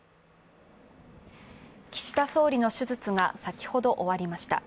岸田総理の手術が先ほど終わりました。